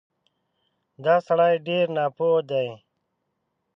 دا سړی ډېر ناپوه دی